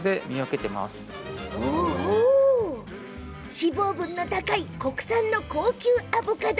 脂肪分の高い国産の高級アボカド。